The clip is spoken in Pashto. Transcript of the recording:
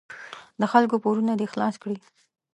د خلکو پورونه دې خلاص کړي.